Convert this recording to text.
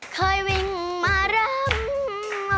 เคยวิ่งมารำ